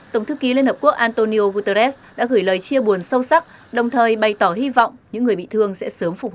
tổng thư ký liên hợp quốc antonio guterres đã gửi lời chia buồn sâu sắc đồng thời bày tỏ hy vọng những người bị thương sẽ sớm phục hồi